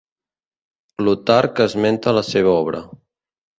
Plutarc esmenta la seva obra.